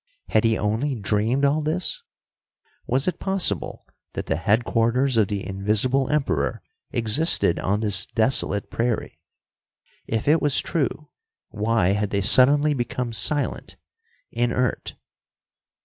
Had he only dreamed all this? Was it possible that the headquarters of the Invisible Emperor existed on this desolate prairie? If it was true, why had they suddenly become silent, inert?